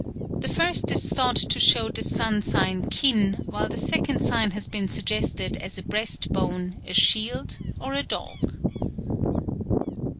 The first is thought to show the sun sign Kin, while the second sign has been suggested as a breast bone, a shield, or a dog.